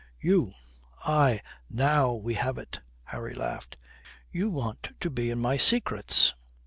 You " "Aye, now we have it!" Harry laughed. "You want to be in my secrets.